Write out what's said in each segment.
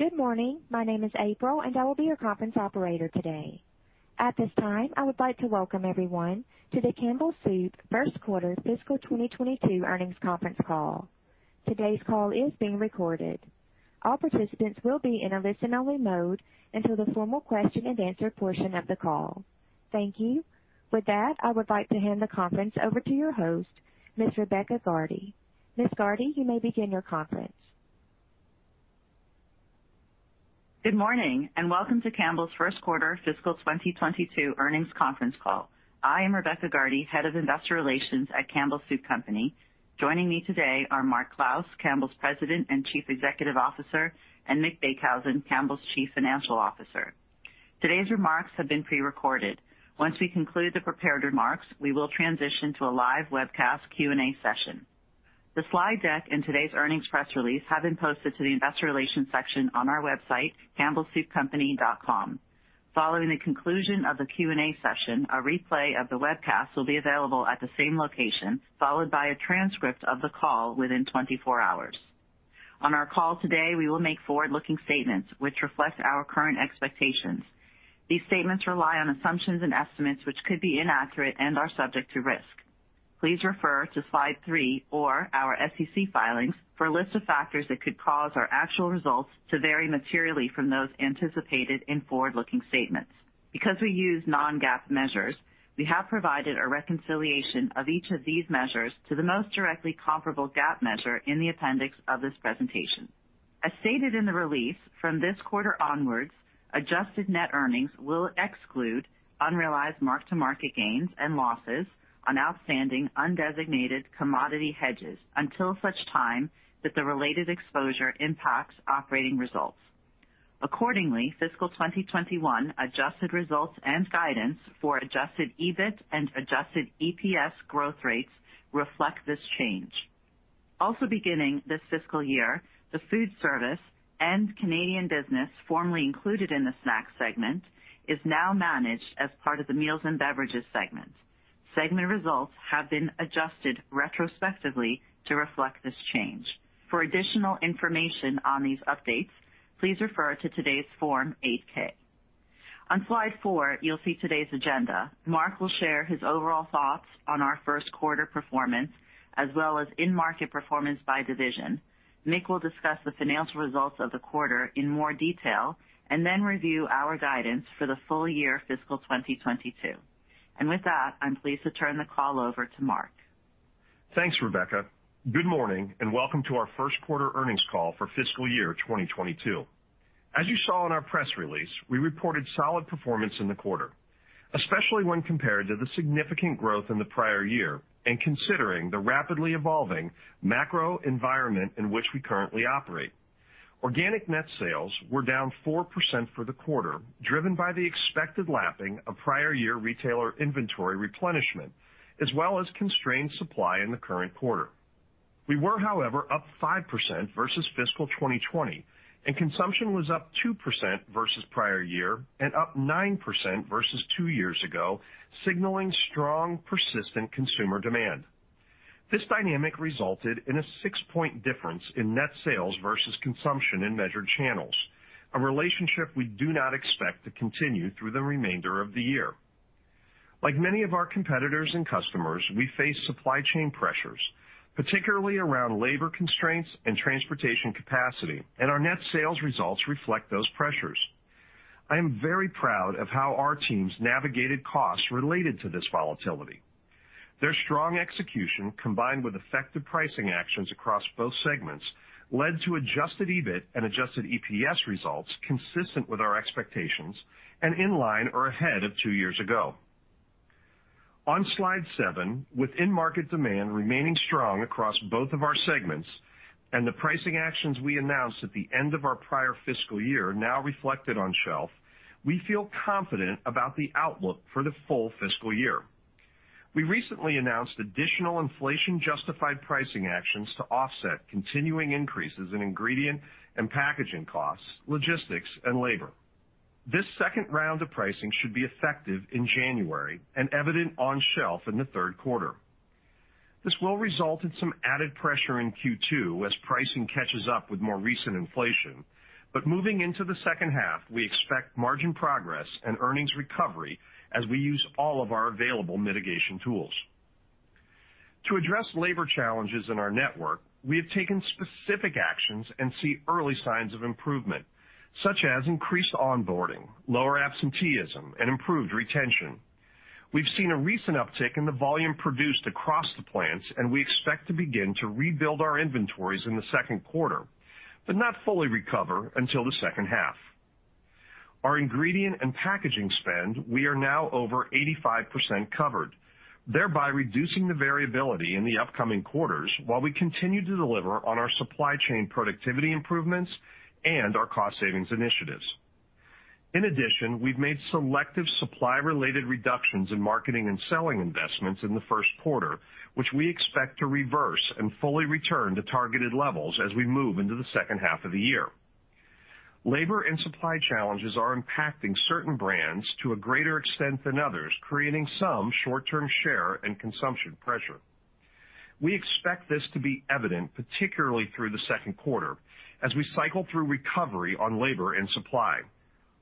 Good morning. My name is April, and I will be your conference operator today. At this time, I would like to welcome everyone to the Campbell Soup first quarter fiscal 2022 earnings conference call. Today's call is being recorded. All participants will be in a listen-only mode until the formal question-and-answer portion of the call. Thank you. With that, I would like to hand the conference over to your host, Ms. Rebecca Gardy. Ms. Gardy, you may begin your conference. Good morning, and welcome to Campbell's first quarter fiscal 2022 earnings conference call. I am Rebecca Gardy, head of investor relations at Campbell Soup Company. Joining me today are Mark Clouse, Campbell's President and Chief Executive Officer, and Mick Beekhuizen, Campbell's Chief Financial Officer. Today's remarks have been pre-recorded. Once we conclude the prepared remarks, we will transition to a live webcast Q&A session. The slide deck and today's earnings press release have been posted to the investor relations section on our website, campbellsoupcompany.com. Following the conclusion of the Q&A session, a replay of the webcast will be available at the same location, followed by a transcript of the call within 24 hours. On our call today, we will make forward-looking statements which reflect our current expectations. These statements rely on assumptions and estimates, which could be inaccurate and are subject to risk. Please refer to slide 3 or our SEC filings for a list of factors that could cause our actual results to vary materially from those anticipated in forward-looking statements. Because we use non-GAAP measures, we have provided a reconciliation of each of these measures to the most directly comparable GAAP measure in the appendix of this presentation. As stated in the release, from this quarter onwards, adjusted net earnings will exclude unrealized mark-to-market gains and losses on outstanding undesignated commodity hedges until such time that the related exposure impacts operating results. Accordingly, fiscal 2021 adjusted results and guidance for adjusted EBIT and adjusted EPS growth rates reflect this change. Also beginning this fiscal year, the food service and Canadian business formerly included in the Snacks segment is now managed as part of the Meals and Beverages segment. Segment results have been adjusted retrospectively to reflect this change. For additional information on these updates, please refer to today's Form 8-K. On slide four, you'll see today's agenda. Mark will share his overall thoughts on our first quarter performance, as well as in-market performance by division. Mick will discuss the financial results of the quarter in more detail and then review our guidance for the full year fiscal 2022. With that, I'm pleased to turn the call over to Mark. Thanks, Rebecca. Good morning, and welcome to our first quarter earnings call for fiscal year 2022. As you saw in our press release, we reported solid performance in the quarter, especially when compared to the significant growth in the prior year and considering the rapidly evolving macro environment in which we currently operate. Organic net sales were down 4% for the quarter, driven by the expected lapping of prior year retailer inventory replenishment, as well as constrained supply in the current quarter. We were, however, up 5% versus fiscal 2020, and consumption was up 2% versus prior year and up 9% versus two years ago, signaling strong, persistent consumer demand. This dynamic resulted in a 6-point difference in net sales versus consumption in measured channels, a relationship we do not expect to continue through the remainder of the year. Like many of our competitors and customers, we face supply chain pressures, particularly around labor constraints and transportation capacity, and our net sales results reflect those pressures. I am very proud of how our teams navigated costs related to this volatility. Their strong execution, combined with effective pricing actions across both segments, led to adjusted EBIT and adjusted EPS results consistent with our expectations and in line or ahead of 2 years ago. On slide 7, with in-market demand remaining strong across both of our segments and the pricing actions we announced at the end of our prior fiscal year now reflected on shelf, we feel confident about the outlook for the full fiscal year. We recently announced additional inflation-justified pricing actions to offset continuing increases in ingredient and packaging costs, logistics, and labor. This second round of pricing should be effective in January and evident on shelf in the third quarter. This will result in some added pressure in Q2 as pricing catches up with more recent inflation. Moving into the second half, we expect margin progress and earnings recovery as we use all of our available mitigation tools. To address labor challenges in our network, we have taken specific actions and see early signs of improvement, such as increased onboarding, lower absenteeism, and improved retention. We've seen a recent uptick in the volume produced across the plants, and we expect to begin to rebuild our inventories in the second quarter, but not fully recover until the second half. Our ingredient and packaging spend, we are now over 85% covered, thereby reducing the variability in the upcoming quarters while we continue to deliver on our supply chain productivity improvements and our cost savings initiatives. In addition, we've made selective supply-related reductions in marketing and selling investments in the first quarter, which we expect to reverse and fully return to targeted levels as we move into the second half of the year. Labor and supply challenges are impacting certain brands to a greater extent than others, creating some short-term share and consumption pressure. We expect this to be evident particularly through the second quarter as we cycle through recovery on labor and supply.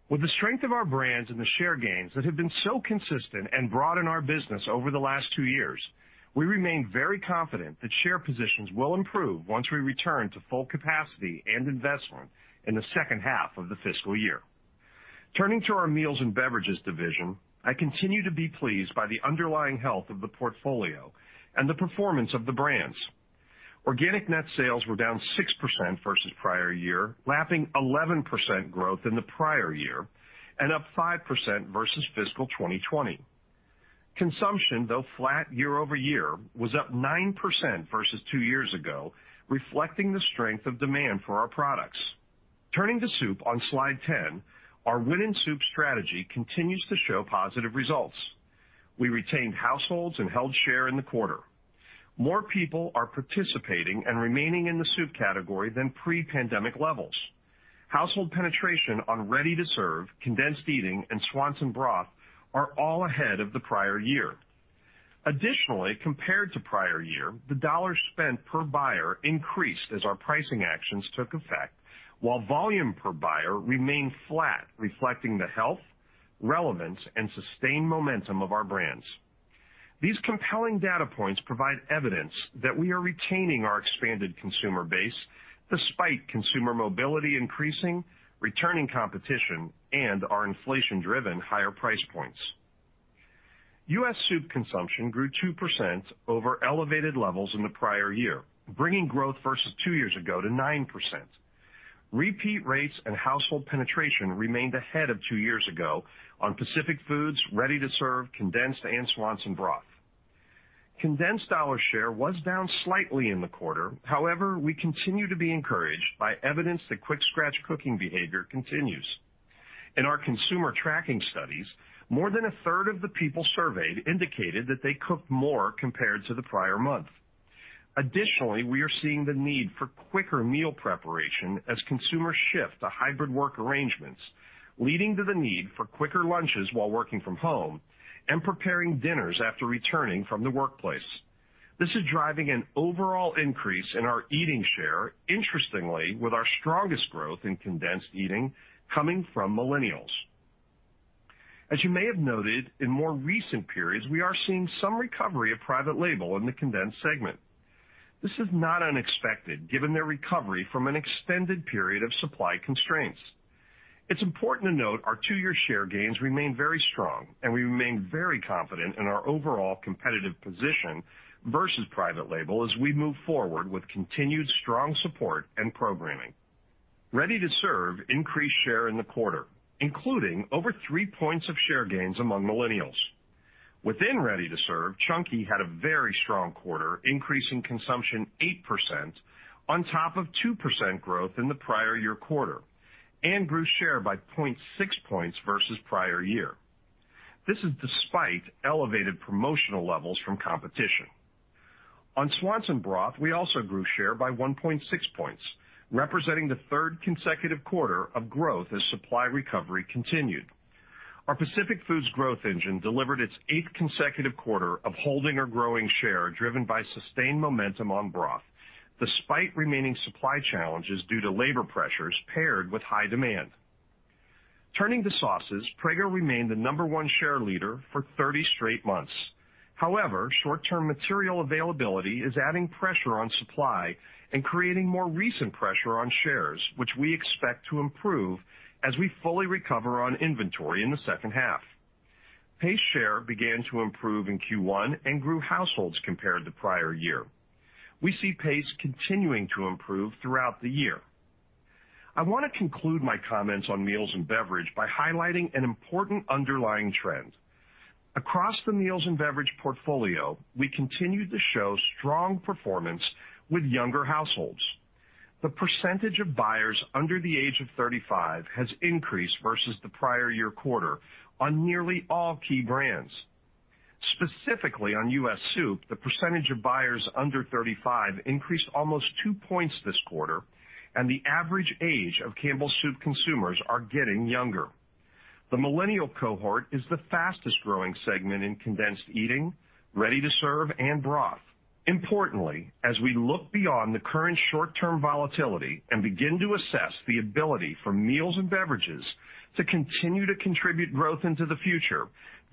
With the strength of our brands and the share gains that have been so consistent and broad in our business over the last two years, we remain very confident that share positions will improve once we return to full capacity and investment in the second half of the fiscal year. Turning to our Meals and Beverages division, I continue to be pleased by the underlying health of the portfolio and the performance of the brands. Organic net sales were down 6% versus prior year, lapping 11% growth in the prior year, and up 5% versus fiscal 2020. Consumption, though flat year-over-year, was up 9% versus two years ago, reflecting the strength of demand for our products. Turning to Soup on slide 10, our Win in Soup strategy continues to show positive results. We retained households and held share in the quarter. More people are participating and remaining in the soup category than pre-pandemic levels. Household penetration on ready-to-serve, condensed, and Swanson broth are all ahead of the prior year. Additionally, compared to prior year, the dollar spent per buyer increased as our pricing actions took effect, while volume per buyer remained flat, reflecting the health, relevance, and sustained momentum of our brands. These compelling data points provide evidence that we are retaining our expanded consumer base despite consumer mobility increasing, returning competition, and our inflation-driven higher price points. U.S. soup consumption grew 2% over elevated levels in the prior year, bringing growth versus two years ago to 9%. Repeat rates and household penetration remained ahead of two years ago on Pacific Foods, ready-to-serve, condensed, and Swanson broth. Condensed dollar share was down slightly in the quarter. However, we continue to be encouraged by evidence that quick scratch cooking behavior continues. In our consumer tracking studies, more than a third of the people surveyed indicated that they cooked more compared to the prior month. Additionally, we are seeing the need for quicker meal preparation as consumers shift to hybrid work arrangements, leading to the need for quicker lunches while working from home and preparing dinners after returning from the workplace. This is driving an overall increase in our soup share, interestingly, with our strongest growth in condensed soup coming from millennials. As you may have noted, in more recent periods, we are seeing some recovery of private label in the condensed segment. This is not unexpected given their recovery from an extended period of supply constraints. It's important to note our two-year share gains remain very strong and we remain very confident in our overall competitive position versus private label as we move forward with continued strong support and programming. Ready-to-serve increased share in the quarter, including over 3 points of share gains among millennials. Within ready-to-serve, Chunky had a very strong quarter, increasing consumption 8% on top of 2% growth in the prior year quarter and grew share by 0.6 points versus prior year. This is despite elevated promotional levels from competition. On Swanson broth, we also grew share by 1.6 points, representing the third consecutive quarter of growth as supply recovery continued. Our Pacific Foods growth engine delivered its eighth consecutive quarter of holding or growing share driven by sustained momentum on broth, despite remaining supply challenges due to labor pressures paired with high demand. Turning to sauces, Prego remained the number one share leader for 30 straight months. However, short-term material availability is adding pressure on supply and creating more recent pressure on shares, which we expect to improve as we fully recover on inventory in the second half. Pace share began to improve in Q1 and grew households compared to prior year. We see Pace continuing to improve throughout the year. I want to conclude my comments on meals and beverage by highlighting an important underlying trend. Across the meals and beverage portfolio, we continued to show strong performance with younger households. The percentage of buyers under the age of 35 has increased versus the prior year quarter on nearly all key brands. Specifically, on U.S. soup, the percentage of buyers under 35 increased almost 2 points this quarter, and the average age of Campbell Soup consumers are getting younger. The millennial cohort is the fastest growing segment in condensed eating, ready-to-serve, and broth. Importantly, as we look beyond the current short-term volatility and begin to assess the ability for meals and beverages to continue to contribute growth into the future,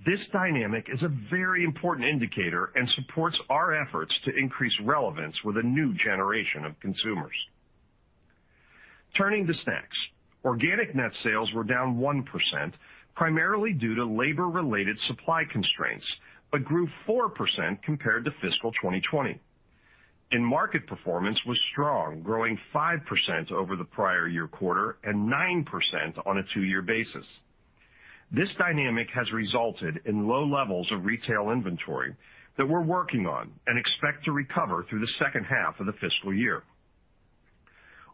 this dynamic is a very important indicator and supports our efforts to increase relevance with a new generation of consumers. Turning to snacks. Organic net sales were down 1%, primarily due to labor-related supply constraints, but grew 4% compared to fiscal 2020. In-market performance was strong, growing 5% over the prior year quarter and 9% on a two-year basis. This dynamic has resulted in low levels of retail inventory that we're working on and expect to recover through the second half of the fiscal year.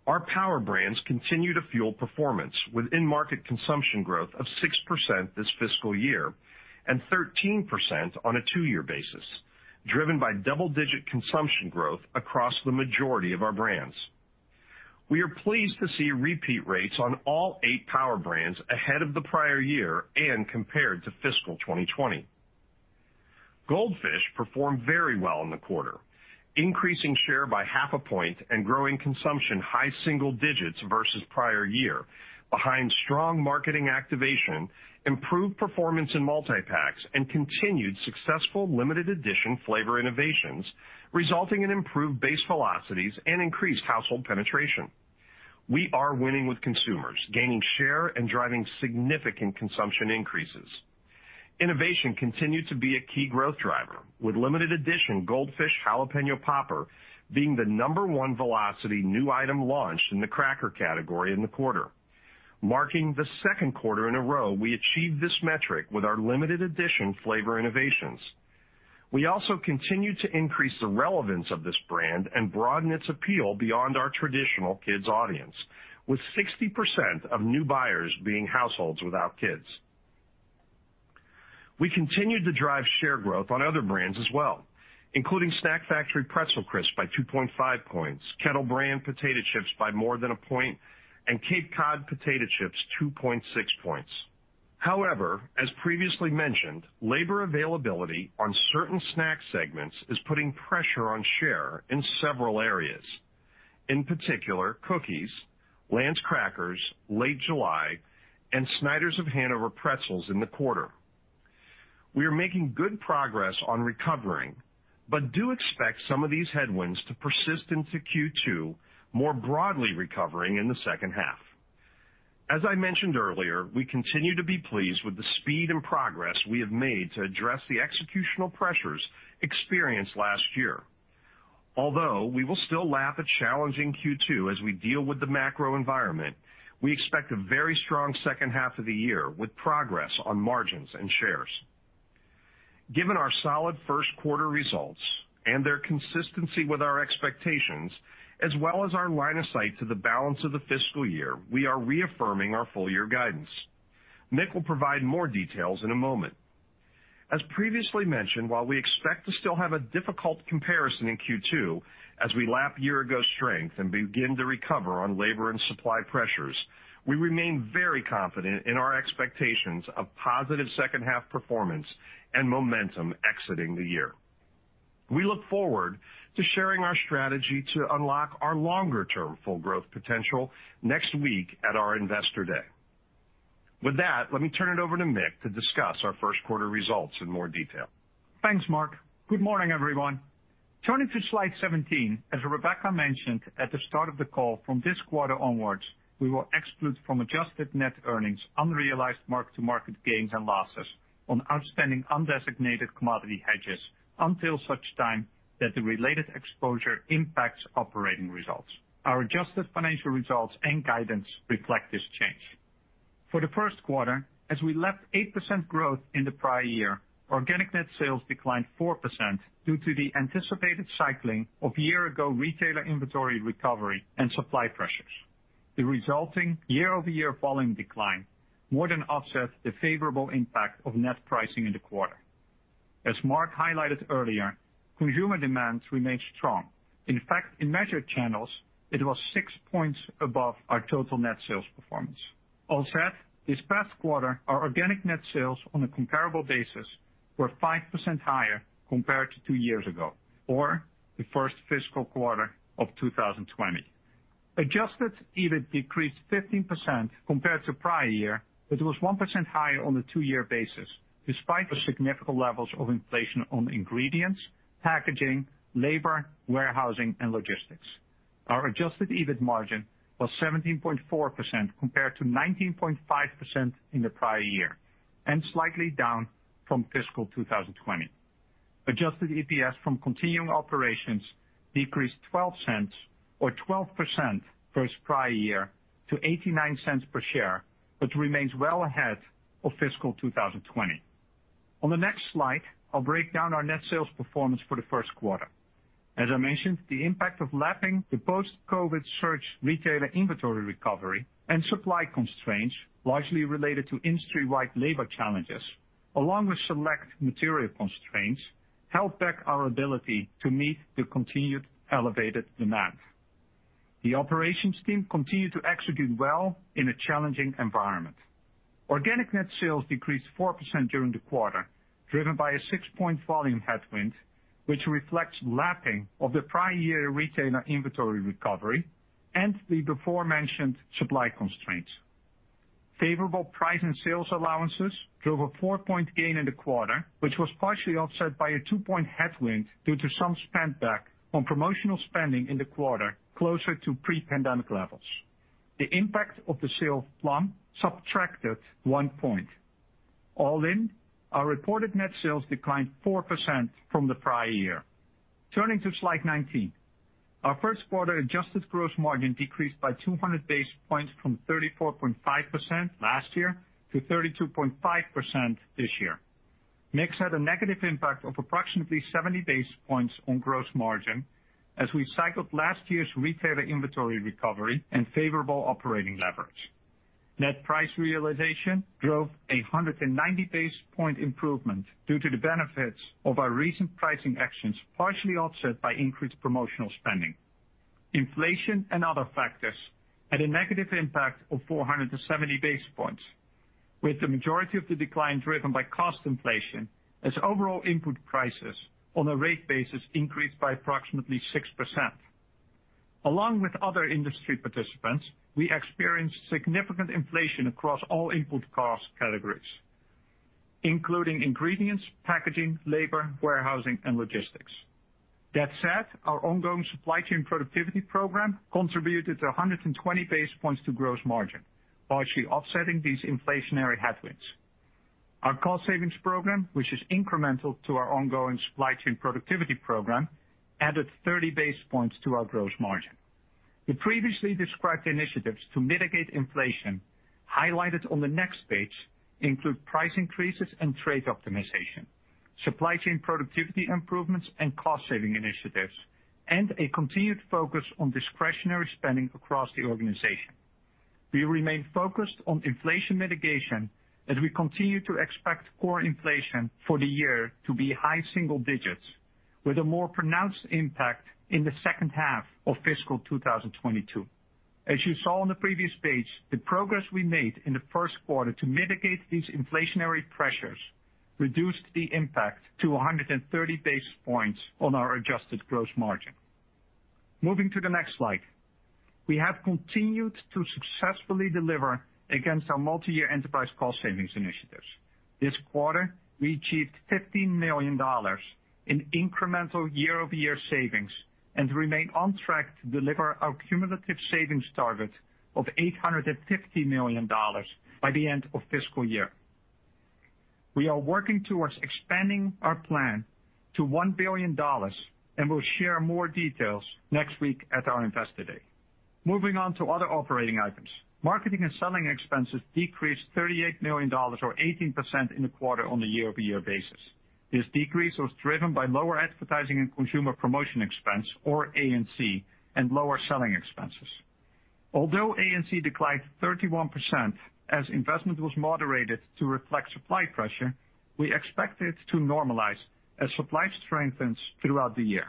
Our Power Brands continue to fuel performance with in-market consumption growth of 6% this fiscal year and 13% on a two-year basis, driven by double-digit consumption growth across the majority of our brands. We are pleased to see repeat rates on all eight Power Brands ahead of the prior year and compared to fiscal 2020. Goldfish performed very well in the quarter, increasing share by 0.5 point and growing consumption high single digits versus prior year behind strong marketing activation, improved performance in multi-packs, and continued successful limited edition flavor innovations, resulting in improved base velocities and increased household penetration. We are winning with consumers, gaining share and driving significant consumption increases. Innovation continued to be a key growth driver, with limited edition Goldfish Jalapeño Popper being the number one velocity new item launched in the cracker category in the quarter. Marking the second quarter in a row, we achieved this metric with our limited edition flavor innovations. We also continue to increase the relevance of this brand and broaden its appeal beyond our traditional kids audience, with 60% of new buyers being households without kids. We continued to drive share growth on other brands as well, including Snack Factory Pretzel Crisps by 2.5 points, Kettle Brand Potato Chips by more than 1 point, and Cape Cod Potato Chips 2.6 points. However, as previously mentioned, labor availability on certain snack segments is putting pressure on share in several areas. In particular, cookies, Lance Crackers, Late July, and Snyder's of Hanover Pretzels in the quarter. We are making good progress on recovering, but do expect some of these headwinds to persist into Q2, more broadly recovering in the second half. As I mentioned earlier, we continue to be pleased with the speed and progress we have made to address the executional pressures experienced last year. Although we will still lap a challenging Q2 as we deal with the macro environment, we expect a very strong second half of the year with progress on margins and shares. Given our solid first quarter results and their consistency with our expectations, as well as our line of sight to the balance of the fiscal year, we are reaffirming our full year guidance. Mick will provide more details in a moment. As previously mentioned, while we expect to still have a difficult comparison in Q2 as we lap year ago strength and begin to recover on labor and supply pressures, we remain very confident in our expectations of positive second half performance and momentum exiting the year. We look forward to sharing our strategy to unlock our longer-term full growth potential next week at our Investor Day. With that, let me turn it over to Mick to discuss our first quarter results in more detail. Thanks, Mark. Good morning, everyone. Turning to slide 17, as Rebecca mentioned at the start of the call, from this quarter onwards, we will exclude from adjusted net earnings unrealized mark-to-market gains and losses on outstanding undesignated commodity hedges until such time that the related exposure impacts operating results. Our adjusted financial results and guidance reflect this change. For the first quarter, as we lapped 8% growth in the prior year, organic net sales declined 4% due to the anticipated cycling of year-ago retailer inventory recovery and supply pressures. The resulting year-over-year volume decline more than offset the favorable impact of net pricing in the quarter. As Mark highlighted earlier, consumer demand remained strong. In fact, in measured channels, it was six points above our total net sales performance. All said, this past quarter, our organic net sales on a comparable basis were 5% higher compared to two years ago or the first fiscal quarter of 2020. Adjusted EBIT decreased 15% compared to prior year, but it was 1% higher on a two-year basis, despite the significant levels of inflation on ingredients, packaging, labor, warehousing, and logistics. Our adjusted EBIT margin was 17.4% compared to 19.5% in the prior year and slightly down from fiscal 2020. Adjusted EPS from continuing operations decreased $0.12 or 12% versus prior year to $0.89 per share, but remains well ahead of fiscal 2020. On the next slide, I'll break down our net sales performance for the first quarter. As I mentioned, the impact of lapping the post-COVID search retailer inventory recovery and supply constraints, largely related to industry-wide labor challenges, along with select material constraints, held back our ability to meet the continued elevated demand. The operations team continued to execute well in a challenging environment. Organic net sales decreased 4% during the quarter, driven by a 6-point volume headwind, which reflects lapping of the prior year retailer inventory recovery and the aforementioned supply constraints. Favorable price and sales allowances drove a 4-point gain in the quarter, which was partially offset by a 2-point headwind due to some spend back on promotional spending in the quarter closer to pre-pandemic levels. The impact of the sale of Plum subtracted 1 point. All in, our reported net sales declined 4% from the prior year. Turning to slide 19. Our first quarter adjusted gross margin decreased by 200 basis points from 34.5% last year to 32.5% this year. Mix had a negative impact of approximately 70 basis points on gross margin as we cycled last year's retailer inventory recovery and favorable operating leverage. Net price realization drove a 190 basis point improvement due to the benefits of our recent pricing actions, partially offset by increased promotional spending. Inflation and other factors had a negative impact of 470 basis points, with the majority of the decline driven by cost inflation as overall input prices on a rate basis increased by approximately 6%. Along with other industry participants, we experienced significant inflation across all input cost categories, including ingredients, packaging, labor, warehousing, and logistics. That said, our ongoing supply chain productivity program contributed 120 basis points to gross margin, partially offsetting these inflationary headwinds. Our cost savings program, which is incremental to our ongoing supply chain productivity program, added 30 basis points to our gross margin. The previously described initiatives to mitigate inflation highlighted on the next page include price increases and trade optimization, supply chain productivity improvements and cost saving initiatives, and a continued focus on discretionary spending across the organization. We remain focused on inflation mitigation as we continue to expect core inflation for the year to be high single digits with a more pronounced impact in the second half of fiscal 2022. As you saw on the previous page, the progress we made in the first quarter to mitigate these inflationary pressures reduced the impact to 130 basis points on our adjusted gross margin. Moving to the next slide. We have continued to successfully deliver against our multi-year enterprise cost savings initiatives. This quarter, we achieved $15 million in incremental year-over-year savings and remain on track to deliver our cumulative savings target of $850 million by the end of fiscal year. We are working towards expanding our plan to $1 billion, and we'll share more details next week at our Investor Day. Moving on to other operating items. Marketing and selling expenses decreased $38 million or 18% in the quarter on a year-over-year basis. This decrease was driven by lower advertising and consumer promotion expense, or A&C, and lower selling expenses. Although A&C declined 31% as investment was moderated to reflect supply pressure, we expect it to normalize as supply strengthens throughout the year.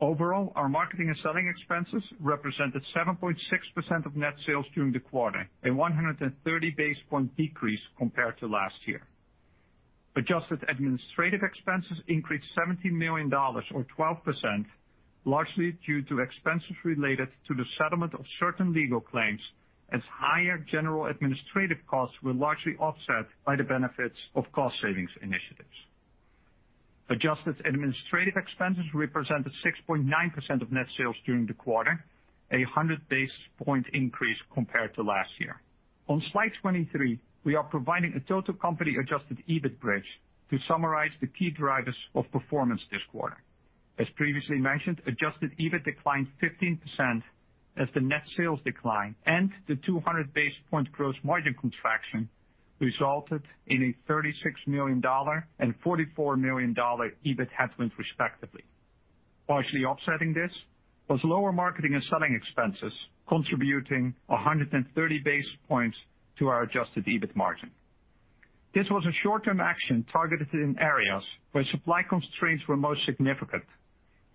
Overall, our marketing and selling expenses represented 7.6% of net sales during the quarter, a 130 basis point decrease compared to last year. Adjusted administrative expenses increased $70 million or 12%, largely due to expenses related to the settlement of certain legal claims as higher general administrative costs were largely offset by the benefits of cost savings initiatives. Adjusted administrative expenses represented 6.9% of net sales during the quarter, a 100 basis point increase compared to last year. On slide 23, we are providing a total company adjusted EBIT bridge to summarize the key drivers of performance this quarter. As previously mentioned, adjusted EBIT declined 15% as the net sales declined and the 200 basis point gross margin contraction resulted in a $36 million and $44 million EBIT headwind respectively. Partially offsetting this was lower marketing and selling expenses, contributing 130 basis points to our adjusted EBIT margin. This was a short-term action targeted in areas where supply constraints were most significant,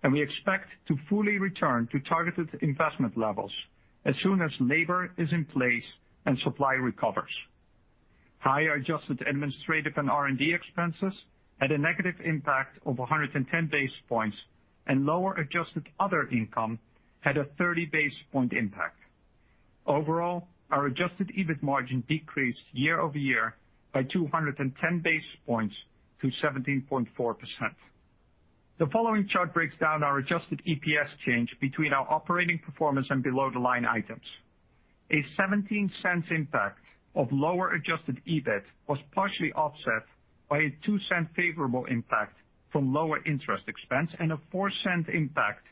and we expect to fully return to targeted investment levels as soon as labor is in place and supply recovers. Higher adjusted administrative and R&D expenses had a negative impact of 110 basis points, and lower adjusted other income had a 30 basis point impact. Overall, our adjusted EBIT margin decreased year-over-year by 210 basis points to 17.4%. The following chart breaks down our adjusted EPS change between our operating performance and below-the-line items. A $0.17 impact of lower adjusted EBIT was partially offset by a $0.02 favorable impact from lower interest expense and a $0.04 impact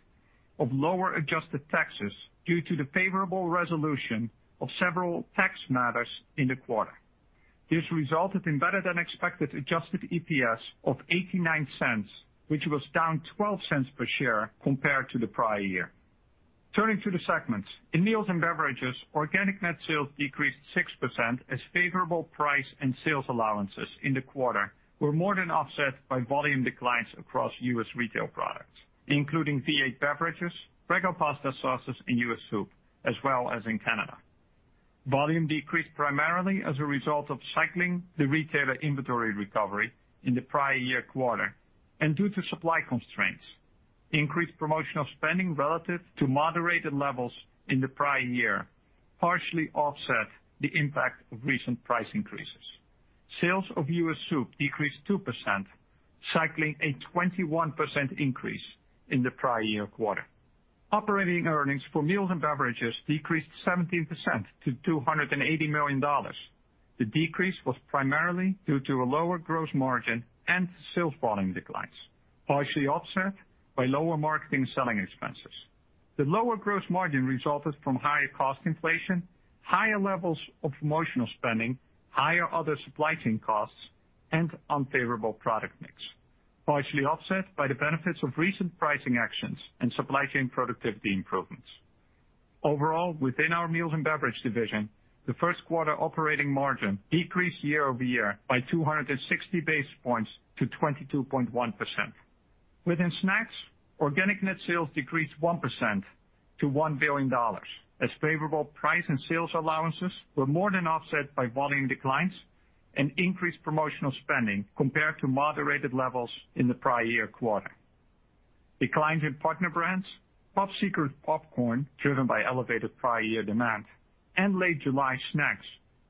of lower adjusted taxes due to the favorable resolution of several tax matters in the quarter. This resulted in better-than-expected adjusted EPS of $0.89, which was down $0.12 per share compared to the prior year. Turning to the segments. In Meals and Beverages, organic net sales decreased 6% as favorable price and sales allowances in the quarter were more than offset by volume declines across U.S. retail products, including V8 Beverages, Prego pasta sauces, and U.S. soup as well as in Canada. Volume decreased primarily as a result of cycling the retailer inventory recovery in the prior year quarter and due to supply constraints. Increased promotional spending relative to moderated levels in the prior year partially offset the impact of recent price increases. Sales of U.S. soup decreased 2%, cycling a 21% increase in the prior year quarter. Operating earnings for meals and beverages decreased 17% to $280 million. The decrease was primarily due to a lower gross margin and sales volume declines, partially offset by lower marketing selling expenses. The lower gross margin resulted from higher cost inflation, higher levels of promotional spending, higher other supply chain costs, and unfavorable product mix. Partially offset by the benefits of recent pricing actions and supply chain productivity improvements. Overall, within our Meals and Beverages division, the first quarter operating margin decreased year-over-year by 260 basis points to 22.1%. Within Snacks, organic net sales decreased 1% to $1 billion, as favorable price and sales allowances were more than offset by volume declines and increased promotional spending compared to moderated levels in the prior year quarter. Declines in Partner Brands, Pop Secret popcorn, driven by elevated prior year demand, and Late July snacks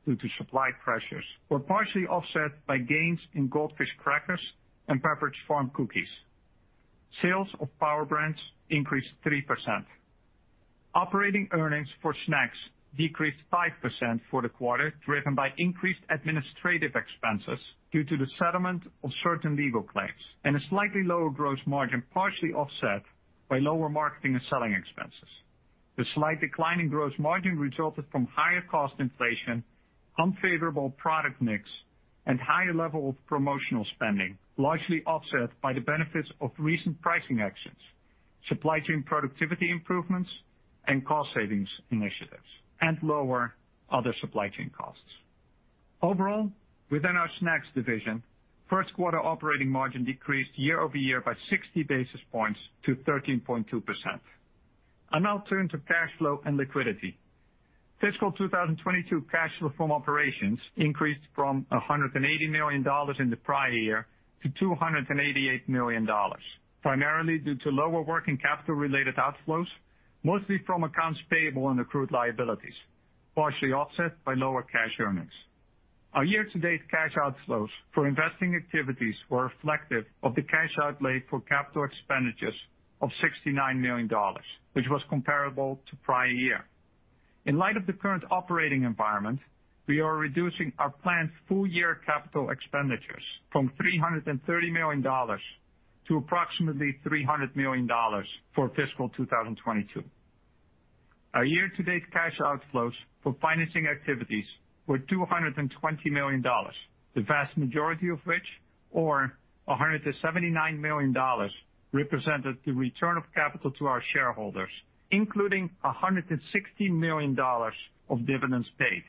due to supply pressures, were partially offset by gains in Goldfish crackers and Pepperidge Farm cookies. Sales of Power Brands increased 3%. Operating earnings for Snacks decreased 5% for the quarter, driven by increased administrative expenses due to the settlement of certain legal claims and a slightly lower gross margin, partially offset by lower marketing and selling expenses. The slight decline in gross margin resulted from higher cost inflation, unfavorable product mix, and higher level of promotional spending, largely offset by the benefits of recent pricing actions, supply chain productivity improvements and cost savings initiatives, and lower other supply chain costs. Overall, within our snacks division, first quarter operating margin decreased year-over-year by 60 basis points to 13.2%. I now turn to cash flow and liquidity. Fiscal 2022 cash flow from operations increased from $180 million in the prior year to $288 million, primarily due to lower working capital related outflows, mostly from accounts payable and accrued liabilities, partially offset by lower cash earnings. Our year-to-date cash outflows for investing activities were reflective of the cash outlay for capital expenditures of $69 million, which was comparable to prior year. In light of the current operating environment, we are reducing our planned full year capital expenditures from $330 million to approximately $300 million for fiscal 2022. Our year-to-date cash outflows for financing activities were $220 million, the vast majority of which, or $179 million, represented the return of capital to our shareholders, including $160 million of dividends paid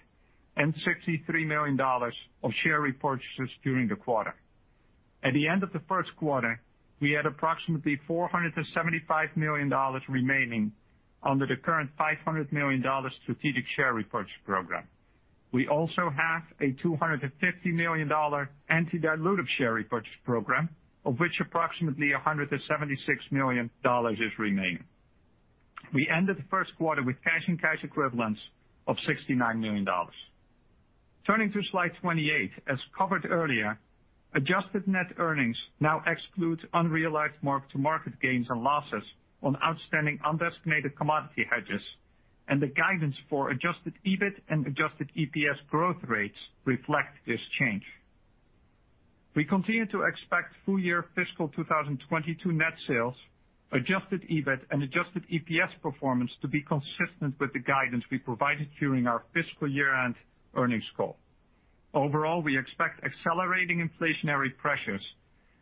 and $63 million of share repurchases during the quarter. At the end of the first quarter, we had approximately $475 million remaining under the current $500 million strategic share repurchase program. We also have a $250 million anti-dilutive share repurchase program, of which approximately $176 million is remaining. We ended the first quarter with cash and cash equivalents of $69 million. Turning to slide 28, as covered earlier, adjusted net earnings now excludes unrealized mark-to-market gains and losses on outstanding undesignated commodity hedges and the guidance for adjusted EBIT and adjusted EPS growth rates reflect this change. We continue to expect full-year fiscal 2022 net sales, adjusted EBIT and adjusted EPS performance to be consistent with the guidance we provided during our fiscal year-end earnings call. Overall, we expect accelerating inflationary pressures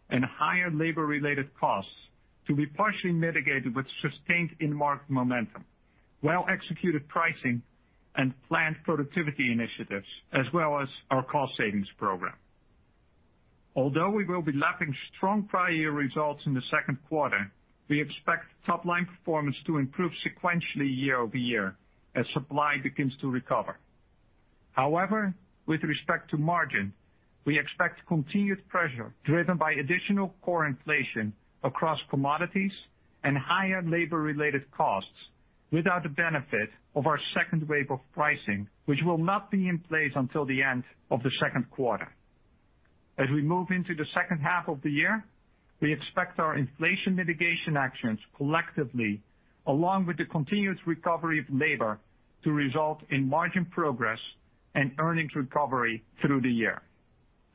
and higher labor-related costs to be partially mitigated with sustained in-market momentum, well-executed pricing and planned productivity initiatives, as well as our cost savings program. Although we will be lapping strong prior year results in the second quarter, we expect top line performance to improve sequentially year-over-year as supply begins to recover. However, with respect to margin, we expect continued pressure driven by additional core inflation across commodities and higher labor-related costs without the benefit of our second wave of pricing, which will not be in place until the end of the second quarter. As we move into the second half of the year, we expect our inflation mitigation actions collectively, along with the continuous recovery of labor, to result in margin progress and earnings recovery through the year.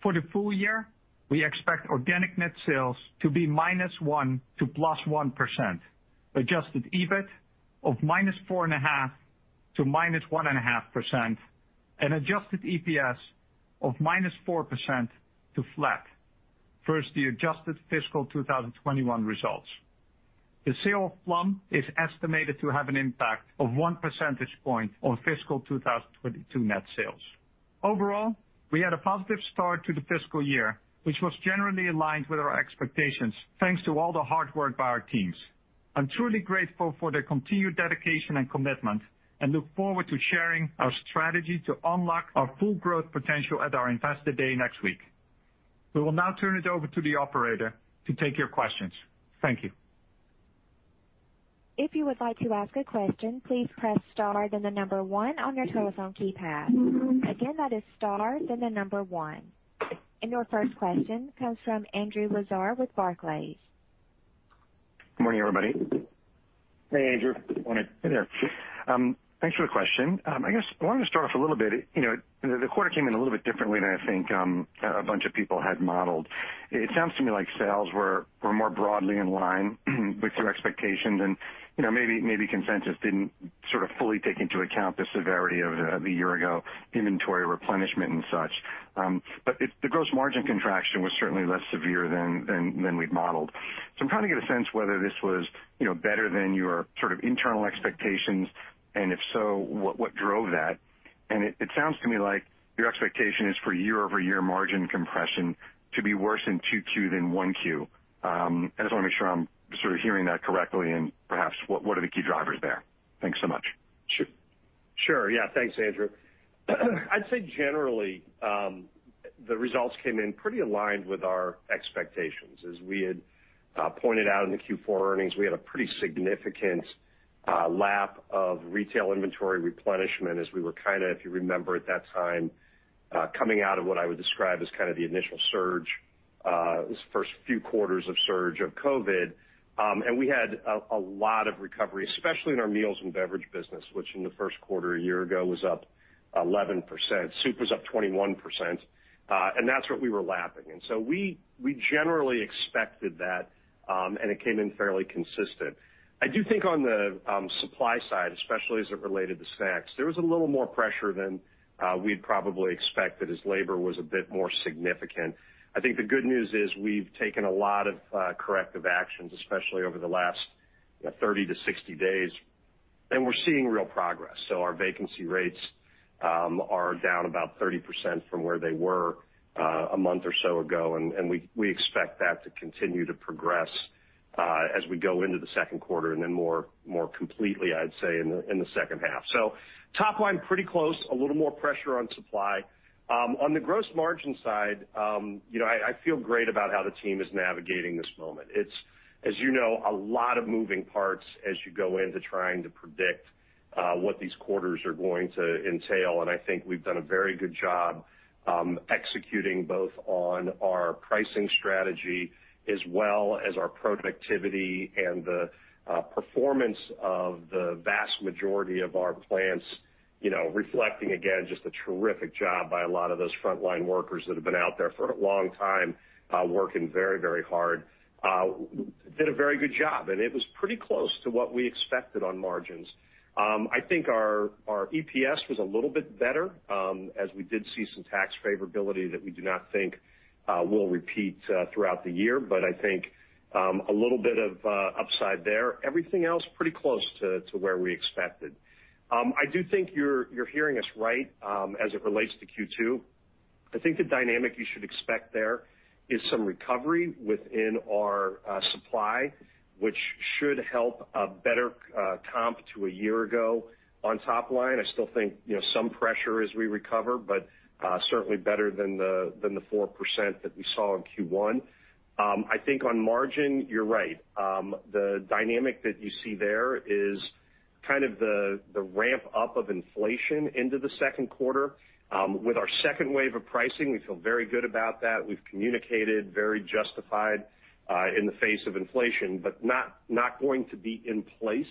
For the full year, we expect organic net sales to be -1% to +1%, adjusted EBIT of -4.5% to -1.5%, and adjusted EPS of -4% to flat versus the adjusted fiscal 2021 results. The sale of Plum is estimated to have an impact of 1 percentage point on fiscal 2022 net sales. Overall, we had a positive start to the fiscal year, which was generally aligned with our expectations, thanks to all the hard work by our teams. I'm truly grateful for their continued dedication and commitment and look forward to sharing our strategy to unlock our full growth potential at our Investor Day next week. We will now turn it over to the operator to take your questions. Thank you. If you would like to ask a question, please press star, then the number one on your telephone keypad. Again, that is star, then the number one. Your first question comes from Andrew Lazar with Barclays. Good morning, everybody. Hey, Andrew. Good morning. Hey there. Thanks for the question. I guess I wanted to start off a little bit, you know, the quarter came in a little bit differently than I think a bunch of people had modeled. It sounds to me like sales were more broadly in line with your expectations. You know, maybe consensus didn't sort of fully take into account the severity of the year ago inventory replenishment and such. The gross margin contraction was certainly less severe than we'd modeled. I'm trying to get a sense whether this was, you know, better than your sort of internal expectations. If so, what drove that? It sounds to me like your expectation is for year-over-year margin compression to be worse in 2Q than 1Q. I just wanna make sure I'm sort of hearing that correctly and perhaps what are the key drivers there? Thanks so much. Sure, yeah. Thanks, Andrew. I'd say generally, the results came in pretty aligned with our expectations. As we had pointed out in the Q4 earnings, we had a pretty significant lap of retail inventory replenishment as we were kinda, if you remember at that time, coming out of what I would describe as kind of the initial surge, first few quarters of surge of COVID. We had a lot of recovery, especially in our meals and beverage business, which in the first quarter a year ago was up 11%. Soup was up 21%. That's what we were lapping. We generally expected that, and it came in fairly consistent. I do think on the supply side, especially as it related to snacks, there was a little more pressure than we'd probably expected as labor was a bit more significant. I think the good news is we've taken a lot of corrective actions, especially over the last, you know, 30-60 days, and we're seeing real progress. Our vacancy rates are down about 30% from where they were a month or so ago, and we expect that to continue to progress as we go into the second quarter and then more completely, I'd say, in the second half. Top line, pretty close, a little more pressure on supply. On the gross margin side, you know, I feel great about how the team is navigating this moment. It's, as you know, a lot of moving parts as you go into trying to predict what these quarters are going to entail, and I think we've done a very good job executing both on our pricing strategy as well as our productivity and the performance of the vast majority of our plants, you know, reflecting again, just a terrific job by a lot of those frontline workers that have been out there for a long time working very, very hard. Did a very good job, and it was pretty close to what we expected on margins. I think our EPS was a little bit better as we did see some tax favorability that we do not think will repeat throughout the year, but I think a little bit of upside there. Everything else pretty close to where we expected. I do think you're hearing us right as it relates to Q2. I think the dynamic you should expect there is some recovery within our supply, which should help a better comp to a year ago on top line. I still think, you know, some pressure as we recover, but certainly better than the 4% that we saw in Q1. I think on margin, you're right. The dynamic that you see there is kind of the ramp up of inflation into the second quarter. With our second wave of pricing, we feel very good about that. We've communicated, very justified in the face of inflation, but not going to be in place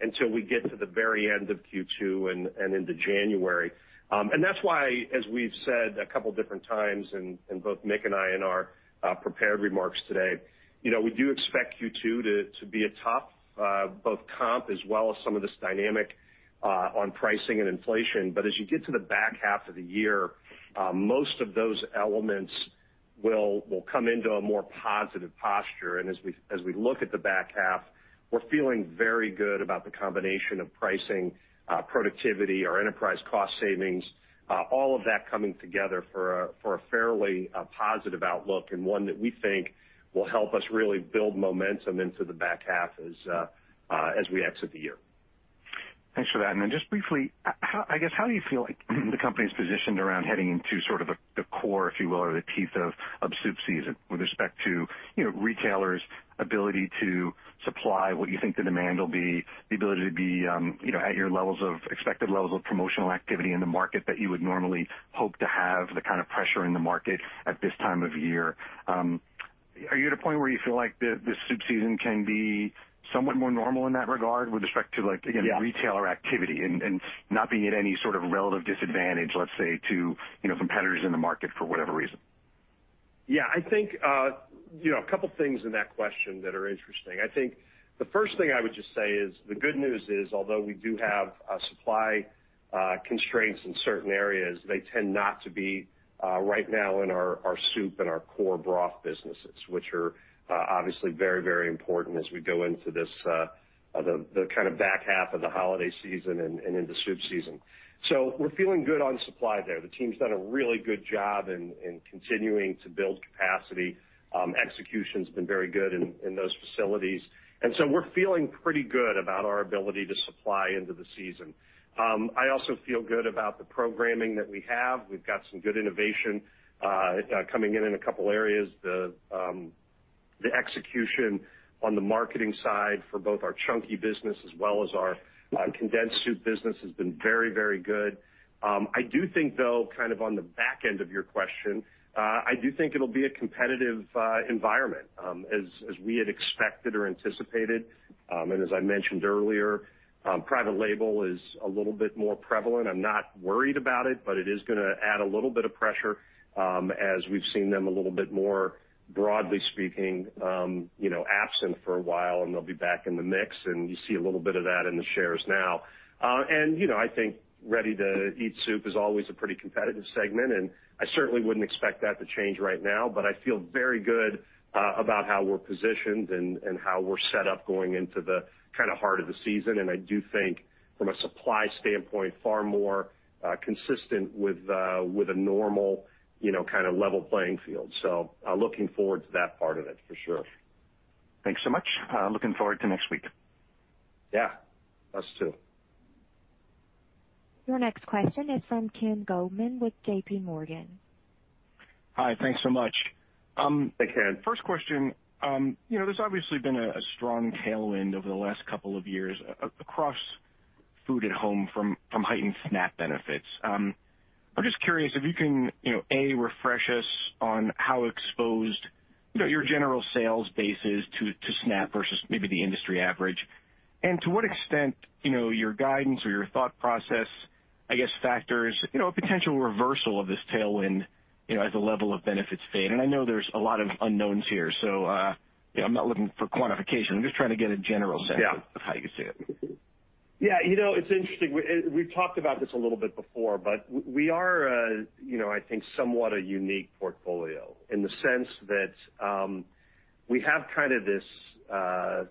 until we get to the very end of Q2 and into January. That's why, as we've said a couple different times and both Mick and I in our prepared remarks today, you know, we do expect Q2 to be a tough both comp as well as some of this dynamic on pricing and inflation. As you get to the back half of the year, most of those elements will come into a more positive posture. As we look at the back half, we're feeling very good about the combination of pricing, productivity, our enterprise cost savings, all of that coming together for a fairly positive outlook and one that we think will help us really build momentum into the back half as we exit the year. Thanks for that. Just briefly, I guess, how do you feel like the company's positioned around heading into sort of a, the core, if you will, or the teeth of soup season with respect to, you know, retailers' ability to supply what you think the demand will be, the ability to be, you know, at your levels of expected levels of promotional activity in the market that you would normally hope to have the kind of pressure in the market at this time of year? Are you at a point where you feel like the soup season can be somewhat more normal in that regard with respect to, like, again. Yeah. Retailer activity and not being at any sort of relative disadvantage, let's say, to, you know, competitors in the market for whatever reason? Yeah, I think, you know, a couple things in that question that are interesting. I think the first thing I would just say is the good news is although we do have supply constraints in certain areas, they tend not to be right now in our soup and our core broth businesses, which are obviously very important as we go into this the kinda back half of the holiday season and into soup season. So we're feeling good on supply there. The team's done a really good job in continuing to build capacity. Execution's been very good in those facilities, and so we're feeling pretty good about our ability to supply into the season. I also feel good about the programming that we have. We've got some good innovation coming in in a couple areas. The execution on the marketing side for both our Chunky business as well as our condensed soup business has been very, very good. I do think, though, kind of on the back end of your question, I do think it'll be a competitive environment, as we had expected or anticipated. As I mentioned earlier, private label is a little bit more prevalent. I'm not worried about it, but it is gonna add a little bit of pressure, as we've seen them a little bit more broadly speaking, you know, absent for a while, and they'll be back in the mix, and you see a little bit of that in the shares now. You know, I think ready-to-eat soup is always a pretty competitive segment, and I certainly wouldn't expect that to change right now, but I feel very good about how we're positioned and how we're set up going into the kinda heart of the season. I do think from a supply standpoint, far more consistent with a normal, you know, kinda level playing field. Looking forward to that part of it for sure. Thanks so much. Looking forward to next week. Yeah, us too. Your next question is from Ken Goldman with JP Morgan. Hi. Thanks so much. Hey, Ken. First question, there's obviously been a strong tailwind over the last couple of years across food at home from heightened SNAP benefits. I'm just curious if you can refresh us on how exposed your general sales base is to SNAP versus maybe the industry average. To what extent, you know, your guidance or your thought process, I guess, factors a potential reversal of this tailwind, you know, as the level of benefits fade. I know there's a lot of unknowns here, so you know, I'm not looking for quantification. I'm just trying to get a general sense. Yeah Of how you see it. Yeah. You know, it's interesting. We've talked about this a little bit before, but we are, you know, I think somewhat a unique portfolio in the sense that we have kind of this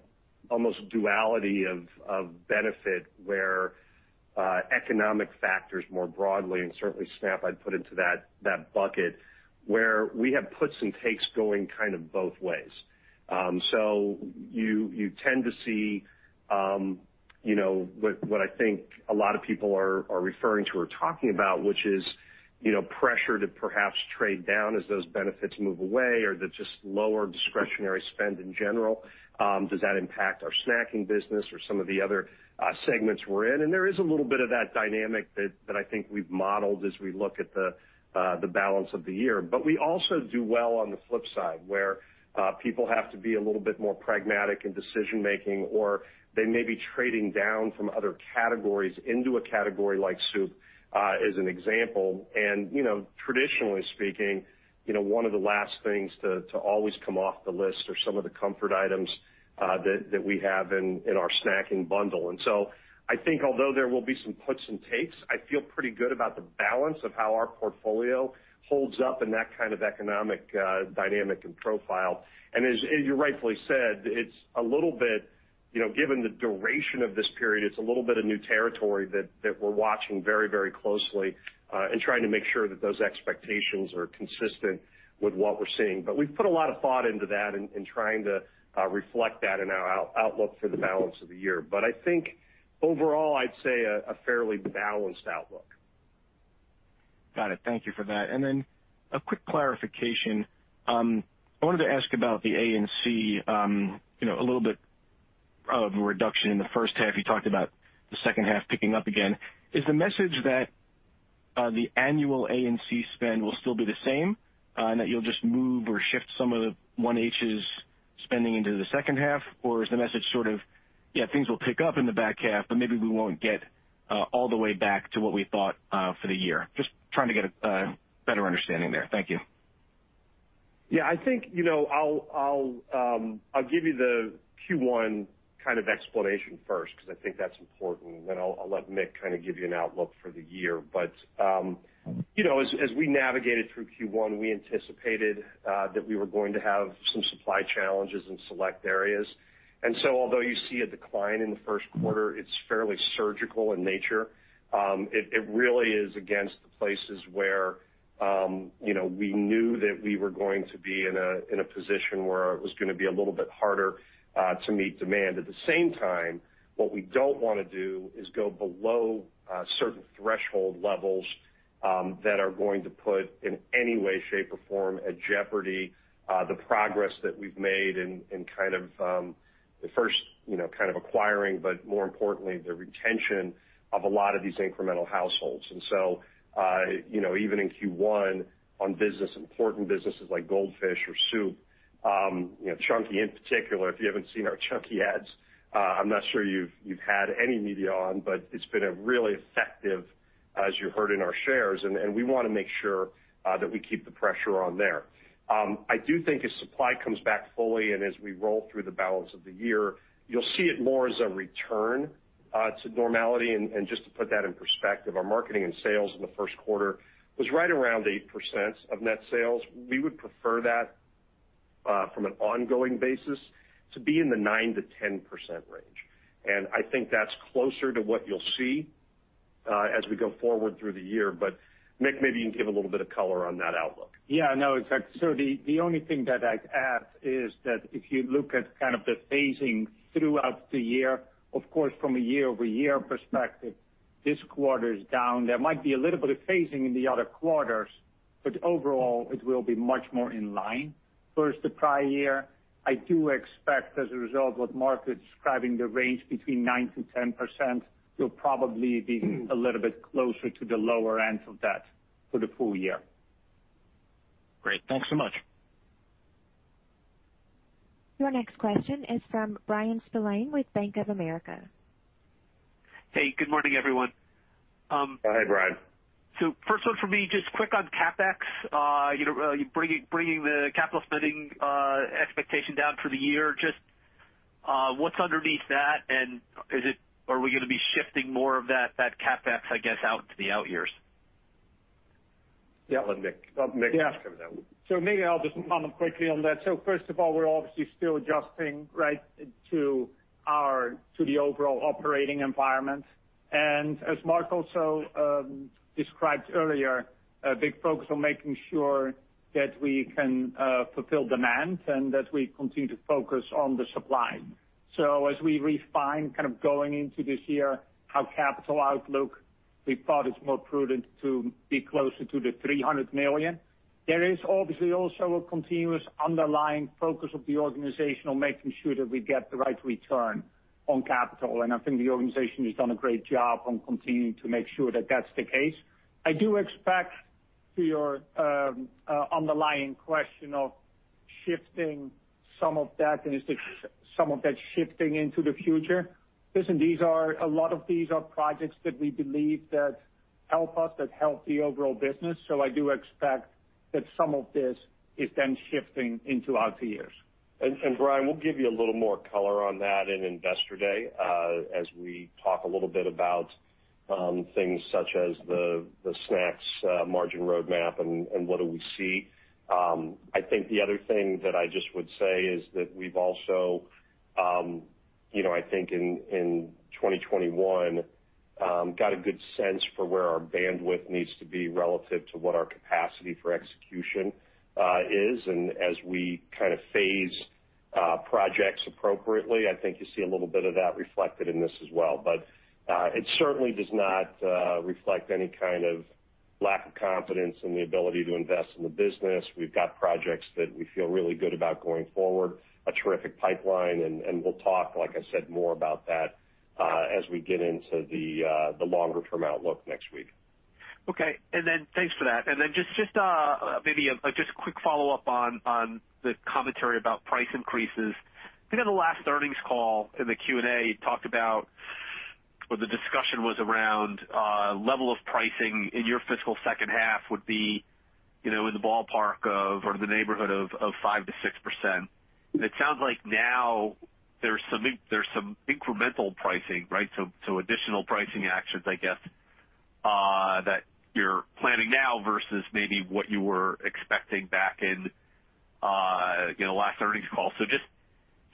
almost duality of benefit where economic factors more broadly, and certainly SNAP I'd put into that bucket, where we have puts and takes going kind of both ways. So you tend to see, you know, what I think a lot of people are referring to or talking about, which is, you know, pressure to perhaps trade down as those benefits move away or the just lower discretionary spend in general, does that impact our snacking business or some of the other segments we're in? There is a little bit of that dynamic that I think we've modeled as we look at the balance of the year. We also do well on the flip side, where people have to be a little bit more pragmatic in decision-making, or they may be trading down from other categories into a category like soup as an example. You know, traditionally speaking, you know, one of the last things to always come off the list are some of the comfort items that we have in our snacking bundle. I think although there will be some puts and takes, I feel pretty good about the balance of how our portfolio holds up in that kind of economic dynamic and profile. As you rightfully said, it's a little bit, you know, given the duration of this period, it's a little bit of new territory that we're watching very, very closely, and trying to make sure that those expectations are consistent with what we're seeing. We've put a lot of thought into that in trying to reflect that in our outlook for the balance of the year. I think overall, I'd say a fairly balanced outlook. Got it. Thank you for that. A quick clarification. I wanted to ask about the A&C, you know, a little bit of a reduction in the first half. You talked about the second half picking up again. Is the message that the annual A&C spend will still be the same, and that you'll just move or shift some of the 1H's spending into the second half? Or is the message sort of, yeah, things will pick up in the back half, but maybe we won't get all the way back to what we thought for the year? Just trying to get a better understanding there. Thank you. Yeah. I think, you know, I'll give you the Q1 kind of explanation first 'cause I think that's important, then I'll let Mick kinda give you an outlook for the year. As we navigated through Q1, we anticipated that we were going to have some supply challenges in select areas. Although you see a decline in the first quarter, it's fairly surgical in nature. It really is against the places where, you know, we knew that we were going to be in a position where it was gonna be a little bit harder to meet demand. At the same time, what we don't wanna do is go below certain threshold levels that are going to put, in any way, shape, or form, at jeopardy the progress that we've made in kind of the first, you know, kind of acquiring, but more importantly, the retention of a lot of these incremental households. You know, even in Q1 on business, important businesses like Goldfish or soup, you know, Chunky in particular, if you haven't seen our Chunky ads, I'm not sure you've had any media on, but it's been a really effective, as you heard in our shares. We wanna make sure that we keep the pressure on there. I do think as supply comes back fully and as we roll through the balance of the year, you'll see it more as a return to normality. Just to put that in perspective, our marketing and sales in the first quarter was right around 8% of net sales. We would prefer that, from an ongoing basis to be in the 9%-10% range. I think that's closer to what you'll see, as we go forward through the year. Mick, maybe you can give a little bit of color on that outlook. Yeah, no, exactly. The only thing that I'd add is that if you look at kind of the phasing throughout the year, of course from a year-over-year perspective, this quarter is down. There might be a little bit of phasing in the other quarters, but overall, it will be much more in line versus the prior year. I do expect as a result, what Mark is describing, the range between 9%-10%. We'll probably be a little bit closer to the lower end of that for the full year. Great. Thanks so much. Your next question is from Bryan Spillane with Bank of America. Hey, good morning, everyone. Oh, hey, Bryan. First one for me, just quick on CapEx. You bringing the capital spending expectation down for the year, just, what's underneath that, and are we gonna be shifting more of that CapEx, I guess, out to the out years? Yeah. Let Mick. Yeah. Jump in there. Maybe I'll just comment quickly on that. First of all, we're obviously still adjusting, right, to the overall operating environment. As Mark also described earlier, a big focus on making sure that we can fulfill demand and that we continue to focus on the supply. As we refine kind of going into this year how capital outlook. We thought it's more prudent to be closer to the $300 million. There is obviously also a continuous underlying focus of the organization on making sure that we get the right return on capital. I think the organization has done a great job on continuing to make sure that that's the case. I do expect to your underlying question of shifting some of that shifting into the future. Listen, a lot of these are projects that we believe that help us, that help the overall business. I do expect that some of this is then shifting into outer years. Bryan, we'll give you a little more color on that in Investor Day, as we talk a little bit about things such as the snacks margin roadmap and what do we see. I think the other thing that I just would say is that we've also, you know, I think in 2021 got a good sense for where our bandwidth needs to be relative to what our capacity for execution is. As we kind of phase projects appropriately, I think you see a little bit of that reflected in this as well. It certainly does not reflect any kind of lack of confidence in the ability to invest in the business. We've got projects that we feel really good about going forward, a terrific pipeline, and we'll talk, like I said, more about that, as we get into the longer-term outlook next week. Okay. Thanks for that. Just a quick follow-up on the commentary about price increases. I think on the last earnings call in the Q&A, you talked about or the discussion was around level of pricing in your fiscal second half would be, you know, in the ballpark of or the neighborhood of 5%-6%. It sounds like now there's some incremental pricing, right? Additional pricing actions, I guess, that you're planning now versus maybe what you were expecting back in, you know, last earnings call.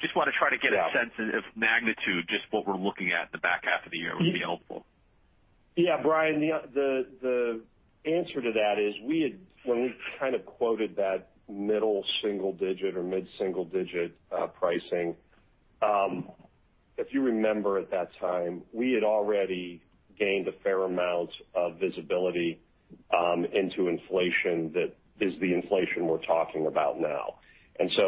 Just wanna try to get a sense- Yeah. Order of magnitude, just what we're looking at the back half of the year would be helpful. Yeah, Bryan, the answer to that is we had, when we kind of quoted that mid-single digit pricing, if you remember at that time, we had already gained a fair amount of visibility into inflation that is the inflation we're talking about now.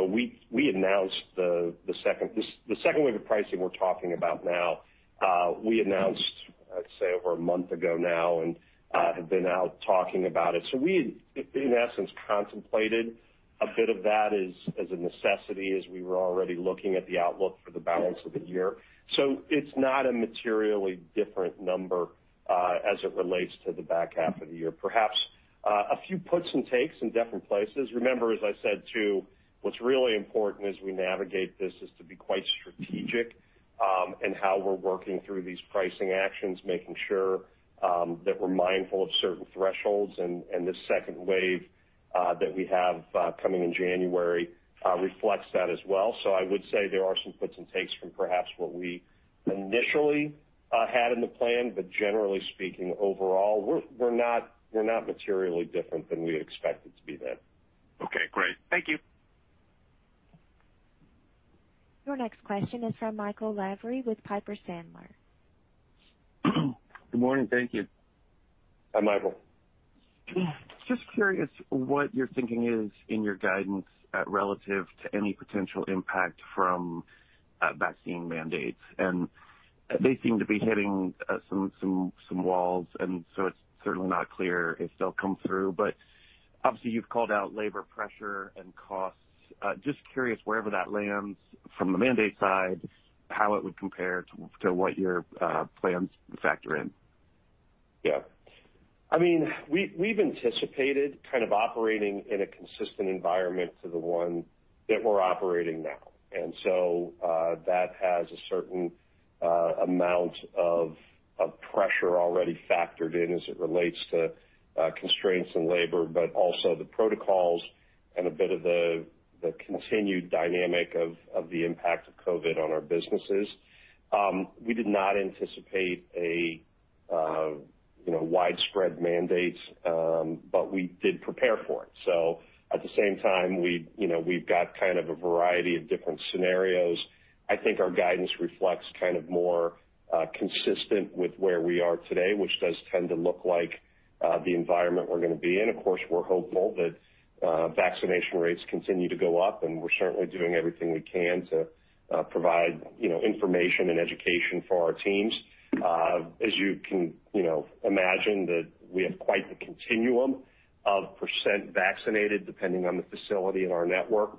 We announced the second wave of pricing we're talking about now, I'd say, over a month ago now and have been out talking about it. We had, in essence, contemplated a bit of that as a necessity as we were already looking at the outlook for the balance of the year. It's not a materially different number as it relates to the back half of the year. Perhaps a few puts and takes in different places. Remember, as I said, too, what's really important as we navigate this is to be quite strategic in how we're working through these pricing actions, making sure that we're mindful of certain thresholds. The second wave that we have coming in January reflects that as well. I would say there are some puts and takes from perhaps what we initially had in the plan, but generally speaking, overall, we're not materially different than we had expected to be then. Okay, great. Thank you. Your next question is from Michael Lavery with Piper Sandler. Good morning. Thank you. Hi, Michael. Just curious what your thinking is in your guidance relative to any potential impact from vaccine mandates. They seem to be hitting some walls, and so it's certainly not clear if they'll come through. Obviously, you've called out labor pressure and costs. Just curious wherever that lands from the mandate side, how it would compare to what your plans factor in. Yeah. I mean, we've anticipated kind of operating in a consistent environment to the one that we're operating now. That has a certain amount of pressure already factored in as it relates to constraints in labor, but also the protocols and a bit of the continued dynamic of the impact of COVID on our businesses. We did not anticipate a you know widespread mandate, but we did prepare for it. At the same time, you know, we've got kind of a variety of different scenarios. I think our guidance reflects kind of more consistent with where we are today, which does tend to look like the environment we're gonna be in. Of course, we're hopeful that vaccination rates continue to go up, and we're certainly doing everything we can to provide, you know, information and education for our teams. As you can, you know, imagine that we have quite the continuum of percent vaccinated depending on the facility in our network.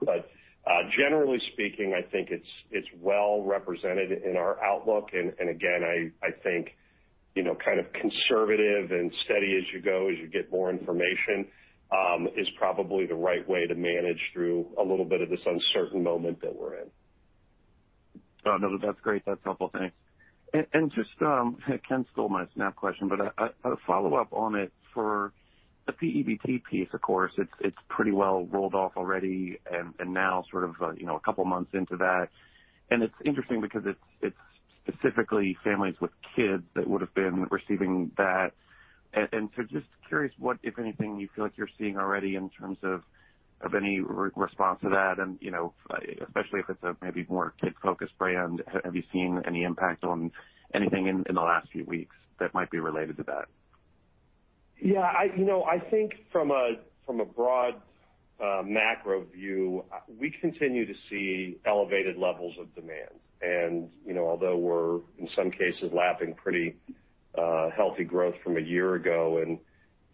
Generally speaking, I think it's well represented in our outlook. Again, I think, you know, kind of conservative and steady as you go, as you get more information, is probably the right way to manage through a little bit of this uncertain moment that we're in. Oh, no, that's great. That's helpful. Thanks. Just Ken stole my SNAP question, but a follow-up on it for the P-EBT piece, of course, it's pretty well rolled off already and now sort of you know, a couple of months into that. It's interesting because it's specifically families with kids that would have been receiving that. Just curious what, if anything, you feel like you're seeing already in terms of any response to that and you know, especially if it's a maybe more kid-focused brand, have you seen any impact on anything in the last few weeks that might be related to that? You know, I think from a broad macro view, we continue to see elevated levels of demand. You know, although we're in some cases lapping pretty healthy growth from a year ago and,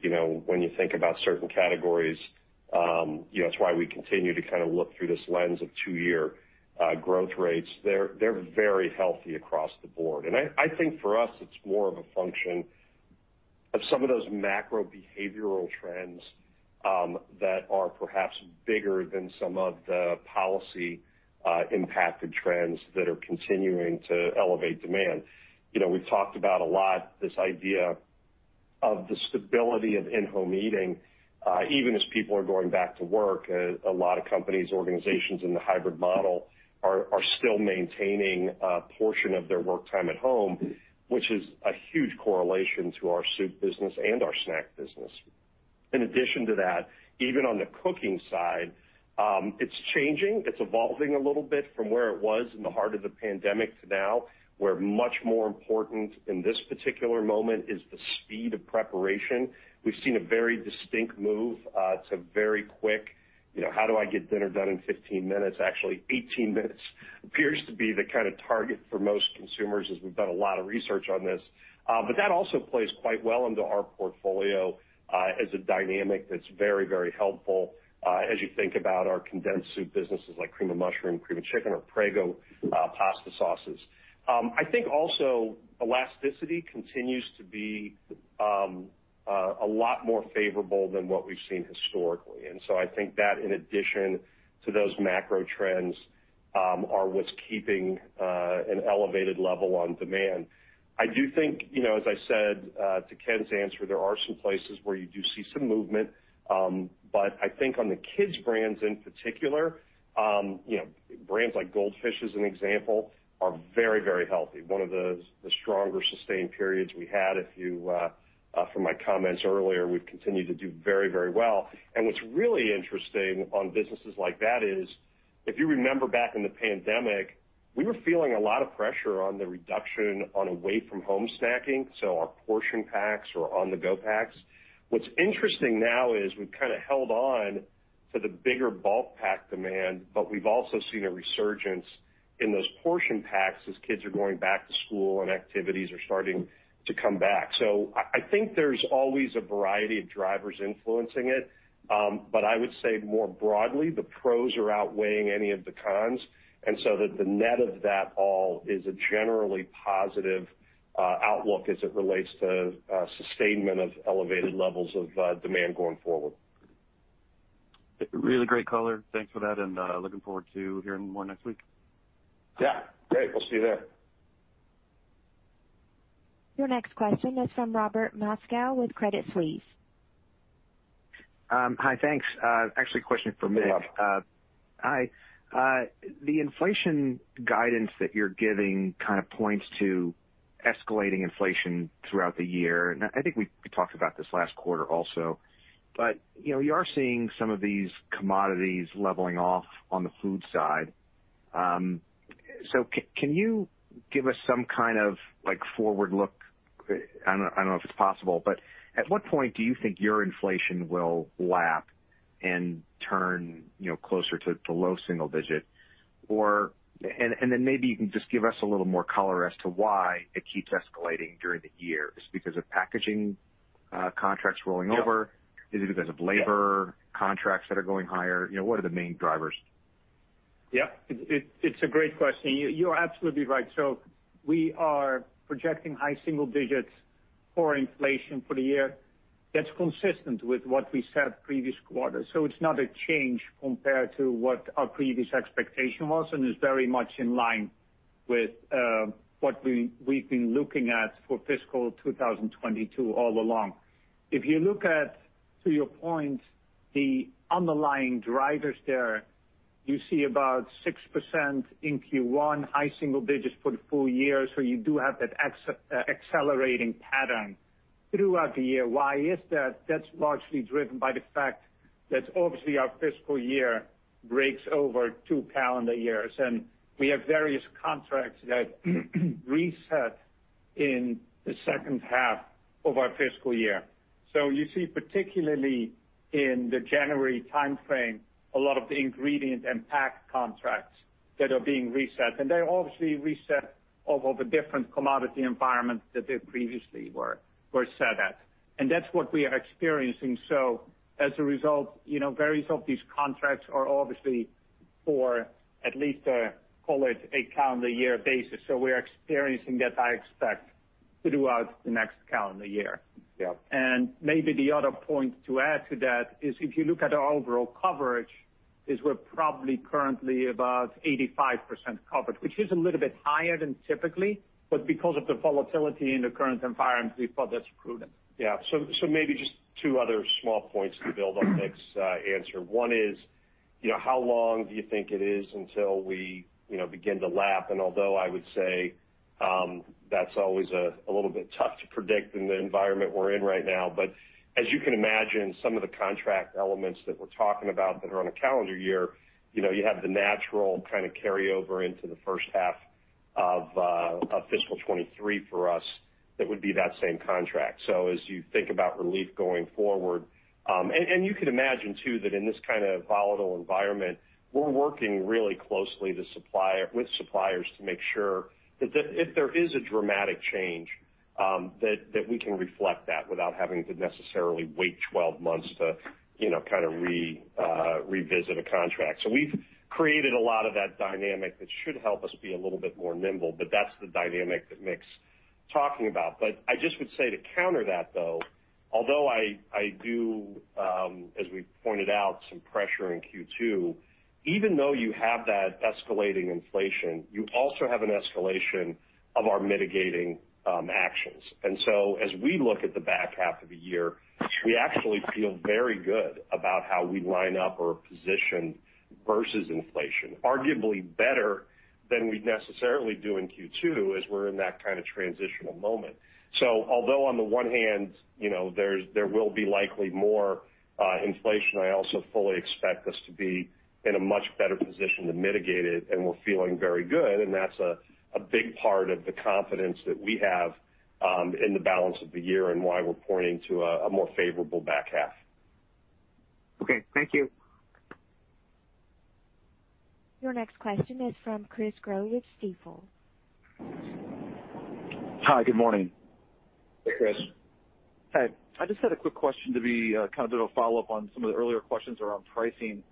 you know, when you think about certain categories, you know, it's why we continue to kind of look through this lens of two-year growth rates. They're very healthy across the board. I think for us it's more of a function of some of those macro behavioral trends that are perhaps bigger than some of the policy impacted trends that are continuing to elevate demand. You know, we've talked about a lot this idea of the stability of in-home eating even as people are going back to work. A lot of companies, organizations in the hybrid model are still maintaining a portion of their work time at home, which is a huge correlation to our soup business and our snack business. In addition to that, even on the cooking side, it's changing, it's evolving a little bit from where it was in the heart of the pandemic to now, where much more important in this particular moment is the speed of preparation. We've seen a very distinct move to very quick, you know, how do I get dinner done in 15 minutes. Actually 18 minutes appears to be the kind of target for most consumers, as we've done a lot of research on this. That also plays quite well into our portfolio, as a dynamic that's very, very helpful, as you think about our condensed soup businesses like Cream of Mushroom, Cream of Chicken, or Prego, pasta sauces. I think also elasticity continues to be a lot more favorable than what we've seen historically. I think that in addition to those macro trends are what's keeping an elevated level on demand. I do think, you know, as I said, to Ken's answer, there are some places where you do see some movement. I think on the kids brands in particular, you know, brands like Goldfish as an example, are very, very healthy. One of the stronger sustained periods we had. From my comments earlier, we've continued to do very, very well. What's really interesting on businesses like that is, if you remember back in the pandemic, we were feeling a lot of pressure on the reduction on away from home snacking, so our portion packs or on-the-go packs. What's interesting now is we've kind of held on to the bigger bulk pack demand, but we've also seen a resurgence in those portion packs as kids are going back to school and activities are starting to come back. I think there's always a variety of drivers influencing it, but I would say more broadly the pros are outweighing any of the cons, and so that the net of that all is a generally positive outlook as it relates to sustainment of elevated levels of demand going forward. Really great color. Thanks for that and, looking forward to hearing more next week. Yeah. Great. We'll see you there. Your next question is from Robert Moskow with Credit Suisse. Hi. Thanks. Actually a question for Mick. Good luck. Hi. The inflation guidance that you're giving kind of points to escalating inflation throughout the year. I think we talked about this last quarter also, but you know, we are seeing some of these commodities leveling off on the food side. Can you give us some kind of, like, forward look? I don't know if it's possible. At what point do you think your inflation will lap and turn, you know, closer to low single digit? And then maybe you can just give us a little more color as to why it keeps escalating during the year. Is it because of packaging contracts rolling over? Yeah. Is it because of labor? Yeah. Contracts that are going higher? You know, what are the main drivers? Yeah. It's a great question. You are absolutely right. We are projecting high single digits core inflation for the year. That's consistent with what we said previous quarter, so it's not a change compared to what our previous expectation was and is very much in line with what we've been looking at for fiscal 2022 all along. If you look at, to your point, the underlying drivers there, you see about 6% in Q1, high single digits for the full year, so you do have that accelerating pattern throughout the year. Why is that? That's largely driven by the fact that obviously our fiscal year breaks over two calendar years, and we have various contracts that reset in the second half of our fiscal year. You see particularly in the January timeframe a lot of the ingredient and pack contracts that are being reset, and they obviously reset off of a different commodity environment than they previously were set at. That's what we are experiencing. As a result, you know, various of these contracts are obviously for at least, call it a calendar year basis. We're experiencing that, I expect, throughout the next calendar year. Yeah. Maybe the other point to add to that is if you look at our overall coverage, as we're probably currently about 85% covered, which is a little bit higher than typically, but because of the volatility in the current environment, we thought that's prudent. Yeah. Maybe just two other small points to build on Mick's answer. One is. You know, how long do you think it is until we, you know, begin to lap? Although I would say, that's always a little bit tough to predict in the environment we're in right now. As you can imagine, some of the contract elements that we're talking about that are on a calendar year, you know, you have the natural kind of carry over into the first half of fiscal 2023 for us that would be that same contract. As you think about relief going forward. You can imagine too that in this kind of volatile environment, we're working really closely with suppliers to make sure that if there is a dramatic change, that we can reflect that without having to necessarily wait 12 months to, you know, kind of revisit a contract. We've created a lot of that dynamic that should help us be a little bit more nimble, but that's the dynamic that Mick's talking about. I just would say to counter that though, although I do, as we pointed out, some pressure in Q2, even though you have that escalating inflation, you also have an escalation of our mitigating actions. We actually feel very good about how we line up or position versus inflation, arguably better than we necessarily do in Q2 as we're in that kind of transitional moment. Although on the one hand, you know, there will be likely more inflation, I also fully expect us to be in a much better position to mitigate it, and we're feeling very good, and that's a big part of the confidence that we have in the balance of the year and why we're pointing to a more favorable back half. Okay. Thank you. Your next question is from Chris Growe with Stifel. Hi, good morning. Hey, Chris. Hi. I just had a quick question to kind of do a follow-up on some of the earlier questions around pricing.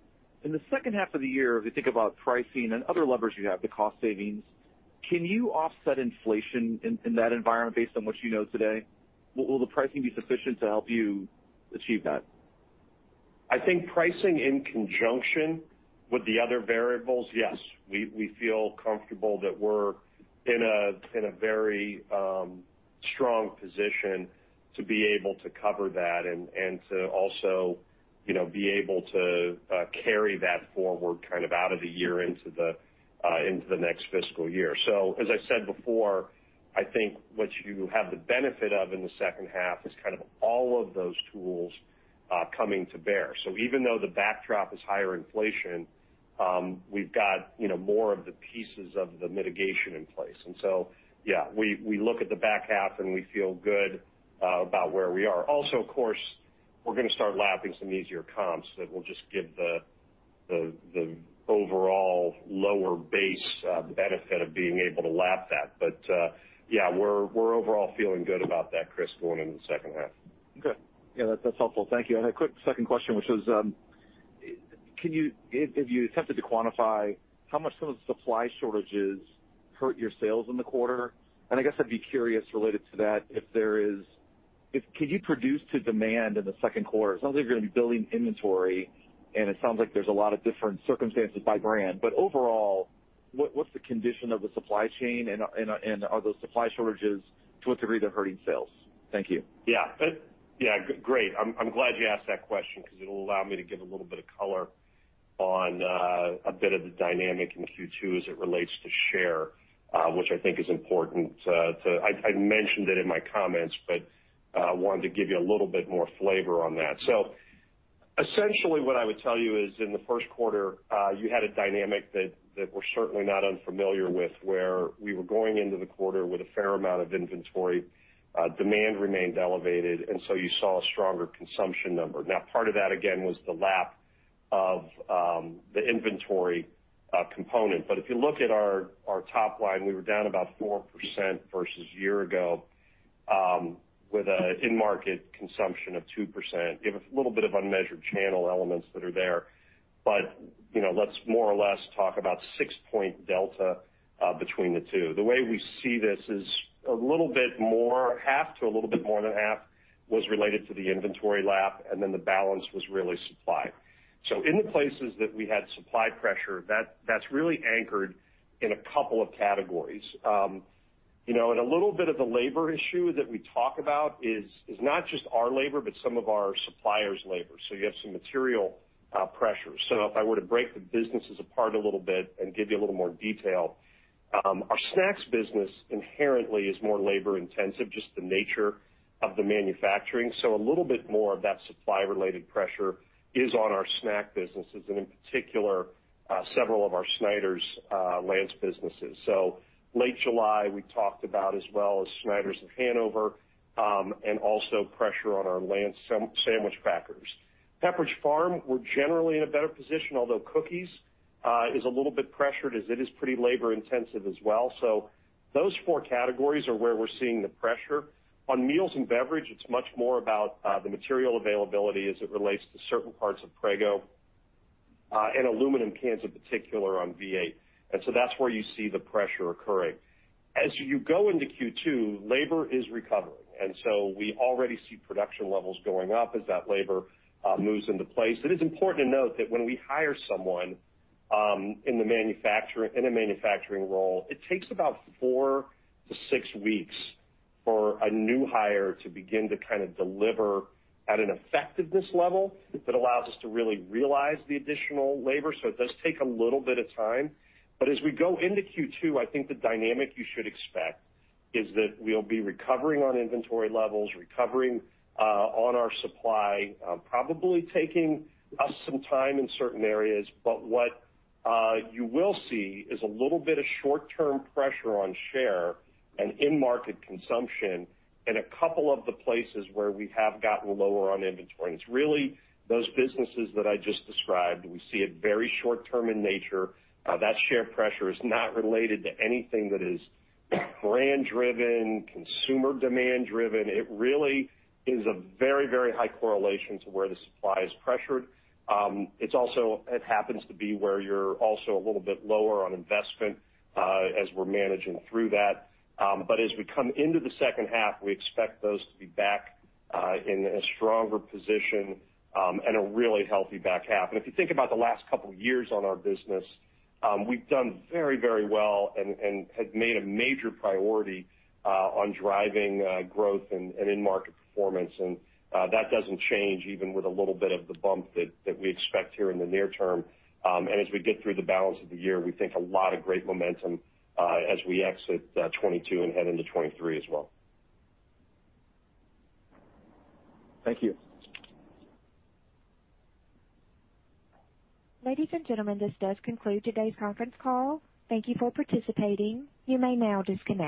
In the second half of the year, if you think about pricing and other levers you have, the cost savings, can you offset inflation in that environment based on what you know today? Will the pricing be sufficient to help you achieve that? I think pricing in conjunction with the other variables, yes. We feel comfortable that we're in a very strong position to be able to cover that and to also, you know, be able to carry that forward kind of out of the year into the next fiscal year. As I said before, I think what you have the benefit of in the second half is kind of all of those tools coming to bear. Even though the backdrop is higher inflation, we've got, you know, more of the pieces of the mitigation in place. Yeah, we look at the back half and we feel good about where we are. Also, of course, we're gonna start lapping some easier comps that will just give the overall lower base the benefit of being able to lap that. Yeah, we're overall feeling good about that, Chris, going into the second half. Okay. Yeah, that's helpful. Thank you. A quick second question, which was, if you attempted to quantify how much some of the supply shortages hurt your sales in the quarter, and I guess I'd be curious related to that, can you produce to demand in the second quarter? It sounds like you're gonna be building inventory, and it sounds like there's a lot of different circumstances by brand. Overall, what's the condition of the supply chain, and are those supply shortages, to what degree they're hurting sales? Thank you. Yeah. Great. I'm glad you asked that question 'cause it'll allow me to give a little bit of color on a bit of the dynamic in Q2 as it relates to share, which I think is important. I mentioned it in my comments, but wanted to give you a little bit more flavor on that. Essentially, what I would tell you is in the first quarter you had a dynamic that we're certainly not unfamiliar with, where we were going into the quarter with a fair amount of inventory. Demand remained elevated, and so you saw a stronger consumption number. Now part of that, again, was the lap of the inventory component. If you look at our top line, we were down about 4% versus year ago, with in-market consumption of 2%. You have a little bit of unmeasured channel elements that are there. You know, let's more or less talk about 6-point delta between the two. The way we see this is a little bit more, half to a little bit more than half was related to the inventory lap, and then the balance was really supply. In the places that we had supply pressure, that's really anchored in a couple of categories. You know, and a little bit of the labor issue that we talk about is not just our labor, but some of our suppliers' labor. You have some material pressures. If I were to break the businesses apart a little bit and give you a little more detail, our snacks business inherently is more labor-intensive, just the nature of the manufacturing. A little bit more of that supply-related pressure is on our snack businesses, and in particular, several of our Snyder's-Lance, Lance businesses. Late July, we talked about as well as Snyder's of Hanover, and also pressure on our Lance sandwich crackers. Pepperidge Farm, we're generally in a better position, although cookies is a little bit pressured as it is pretty labor-intensive as well. Those four categories are where we're seeing the pressure. On meals and beverage, it's much more about the material availability as it relates to certain parts of Prego, and aluminum cans in particular on V8. That's where you see the pressure occurring. As you go into Q2, labor is recovering, and so we already see production levels going up as that labor moves into place. It is important to note that when we hire someone in a manufacturing role, it takes about 4-6 weeks for a new hire to begin to kind of deliver at an effectiveness level that allows us to really realize the additional labor. It does take a little bit of time. As we go into Q2, I think the dynamic you should expect is that we'll be recovering on inventory levels, recovering on our supply, probably taking us some time in certain areas. What you will see is a little bit of short-term pressure on share and in-market consumption in a couple of the places where we have gotten lower on inventory. It's really those businesses that I just described. We see it very short term in nature. That share pressure is not related to anything that is brand-driven, consumer demand-driven. It really is a very high correlation to where the supply is pressured. It's also, it happens to be where you're also a little bit lower on investment, as we're managing through that. But as we come into the second half, we expect those to be back in a stronger position, and a really healthy back half. If you think about the last couple years on our business, we've done very well and have made a major priority on driving growth and in-market performance. That doesn't change even with a little bit of the bump that we expect here in the near term. As we get through the balance of the year, we think a lot of great momentum as we exit 2022 and head into 2023 as well. Thank you. Ladies and gentlemen, this does conclude today's conference call. Thank you for participating. You may now disconnect.